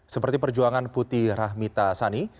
seperti perjuangan putih rahmita sani